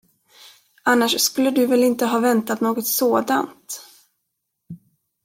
Annars skulle du väl inte ha väntat något sådant.